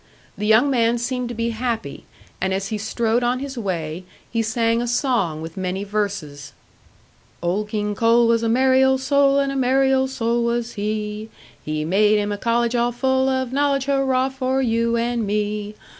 The young man seemed to be happy, and as he strode on his way, he sang a song with many verses: "Old King Coal was a merry old soul, And a merry old soul was he; He made him a college all full of knowledge Hurrah for you and me!